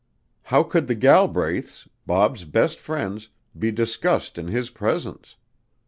How could the Galbraiths, Bob's best friends, be discussed in his presence?